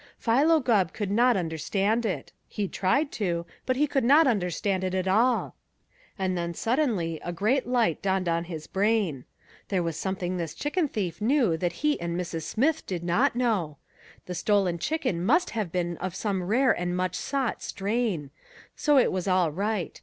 Philo Gubb could not understand it. He tried to, but he could not understand it at all. And then suddenly a great light dawned in his brain. There was something this chicken thief knew that he and Mrs. Smith did not know. The stolen chicken must have been of some rare and much sought strain. So it was all right.